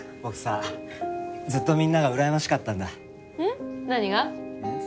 僕さずっとみんながうらやましかったんだ。